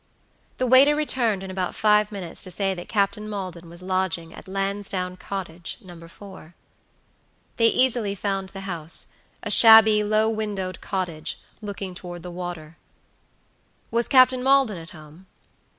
The waiter returned in about five minutes to say that Captain Maldon was lodging at Lansdowne Cottage, No. 4. They easily found the house, a shabby, low windowed cottage, looking toward the water. Was Captain Maldon at home?